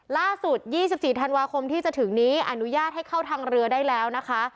ล่าสุดยี่สิบสี่ธันวาคมที่จะถึงนี้อนุญาตให้เข้าทางเรือได้แล้วนะคะ